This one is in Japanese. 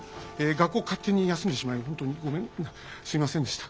学校勝手に休んでしまいほんとにごめんすいませんでした。